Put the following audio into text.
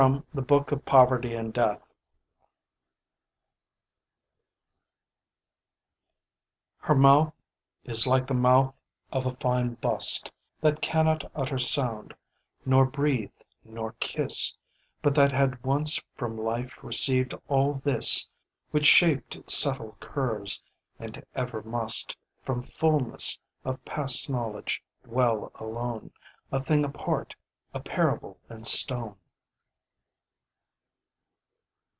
The Book of Poverty and Death Her mouth is like the mouth of a fine bust That cannot utter sound, nor breathe, nor kiss, But that had once from Life received all this Which shaped its subtle curves, and ever must From fullness of past knowledge dwell alone, A thing apart, a parable in stone.